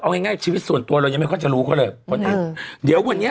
เอาง่ายง่ายชีวิตส่วนตัวเรายังไม่ค่อยจะรู้เขาเลยเดี๋ยววันนี้